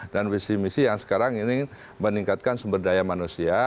dan visi misi yang sekarang ini meningkatkan sumber daya manusia